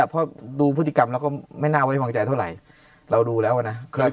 เพราะดูพฤติกรรมแล้วก็ไม่น่าไว้วางใจเท่าไหร่เราดูแล้วนะ